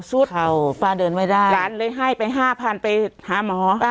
สุดเข่าป้าเดินไว้ได้หลานเลยให้ไปห้าพันไปหาหมอป้า